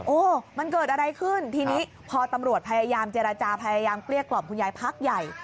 โอ้มันเกิดอะไรขึ้นทีนี้พอตำรวจพยายามเจรจาพยายามเกลี้ยกล่อมคุณยายพักใหญ่